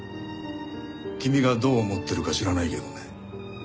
君がどう思ってるか知らないけどね